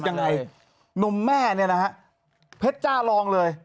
ทำไมไม่ต้องทำแบบปิ้นนะครับ